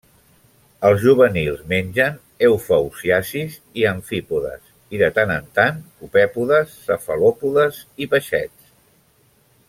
Els juvenils mengen eufausiacis i amfípodes, i, de tant en tant, copèpodes, cefalòpodes i peixets.